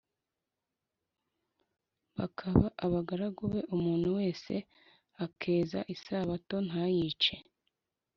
bakaba abagaragu be, umuntu wese akeza isabato ntayice,